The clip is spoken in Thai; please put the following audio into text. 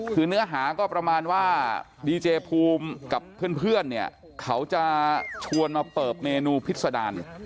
คือเนื้อหาก็ประมาณว่าดีเจภูมิกับเพื่อนเนี่ยเขาจะชวนมาเปิดเมนูพิษดาร